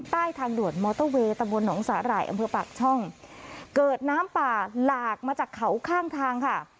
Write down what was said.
ใต้ทางด่วนมอเตอร์เวย์ตะบนหนองสาหร่ายอำเภอปากช่องเกิดน้ำป่าหลากมาจากเขาข้างทางค่ะ